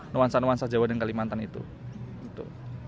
nuansa nuansa jawa dan kalimantan itu